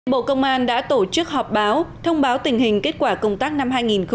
bộ công an đã tổ chức họp báo thông báo tình hình kết quả công tác năm hai nghìn hai mươi